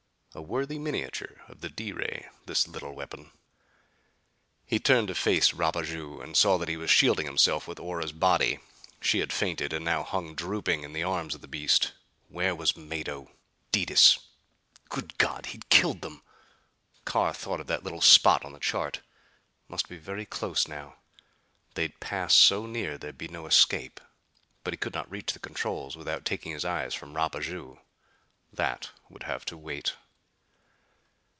A worthy miniature of the D ray, this little weapon! He turned to face Rapaju and saw that he was shielding himself with Ora's body. She had fainted and now hung drooping in the arms of the beast. Where was Mado? Detis? Good God he'd killed them! Carr thought of that little spot on the chart. Must be very close now. They'd pass so near there'd be no escape. But he could not reach the controls without taking his eyes from Rapaju. That would have to wait.